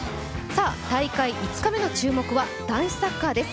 大会５日目の注目は男子サッカーです。